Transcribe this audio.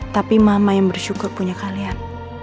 tapi mama yang bersyukur punya kalian